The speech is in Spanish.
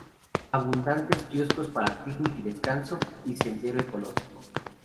Abundantes kioscos para picnic y descanso, y sendero ecológico.